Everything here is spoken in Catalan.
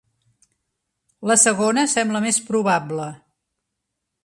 La segona sembla més probable.